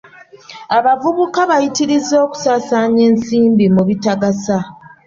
Abavubuka bayitirizza okusaasaanya ensimbi mu bitagasa.